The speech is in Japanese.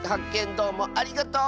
どうもありがとう！